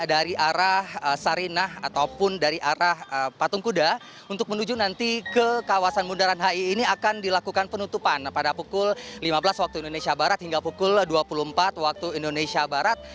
dari arah sarinah ataupun dari arah patung kuda untuk menuju nanti ke kawasan bundaran hi ini akan dilakukan penutupan pada pukul lima belas waktu indonesia barat hingga pukul dua puluh empat waktu indonesia barat